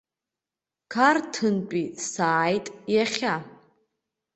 Қарҭынтәи сааит иахьа.